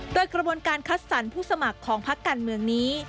โดยกระบวนการคัดสรรผู้สมัครของพักการเมืองนี้